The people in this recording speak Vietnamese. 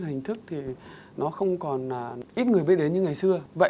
hay cho thuê chú rẻ